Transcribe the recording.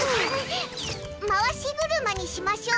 回し車にしましょう。